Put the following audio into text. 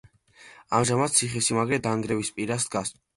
ამჟამად ციხესიმაგრე დანგრევის პირას დგას.